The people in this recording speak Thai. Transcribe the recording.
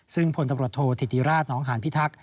ซึ่งพลตำรวจโทษธิติราชนองหานพิทักษ์